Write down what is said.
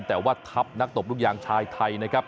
แต่ว่าทัพนักตบลูกยางชายไทยนะครับ